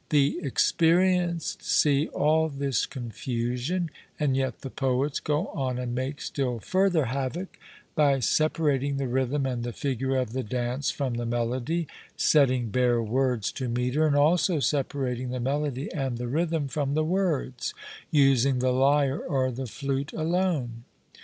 The experienced see all this confusion, and yet the poets go on and make still further havoc by separating the rhythm and the figure of the dance from the melody, setting bare words to metre, and also separating the melody and the rhythm from the words, using the lyre or the flute alone.